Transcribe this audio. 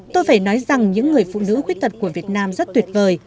tôi phải nói rằng những người phụ nữ khuyết tật của việt nam rất tuyệt vời